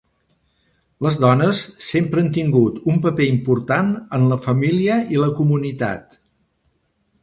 Les dones sempre han tingut un paper important en la família i la comunitat.